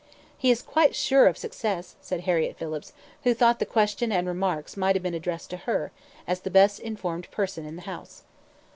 "He is quite sure of success," said Harriett Phillips, who thought the question and remarks might have been addressed to her, as the best informed person in the house.